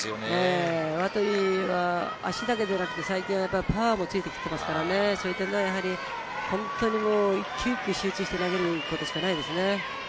ワトリーは足だけでなく最近はパワーもついてきてますからそういった１球１球集中して投げることしかないですね。